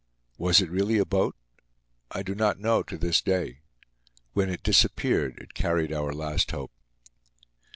Was it really a boat? I do not know to this day. When it disappeared it carried our last hope.